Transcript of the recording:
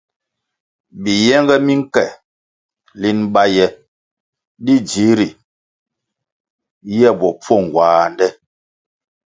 Biyenge mi nke lin bá ye di dzihri ye bopfuo nguande.